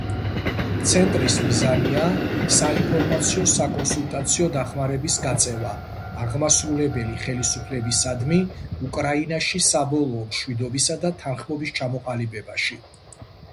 ცენტრის მიზანია საინფორმაციო საკონსულტაციო დახმარების გაწევა აღმასრულებელი ხელისუფლებისადმი უკრაინაში საბოლოო მშვიდობისა და თანხმობის ჩამოყალიბებაში.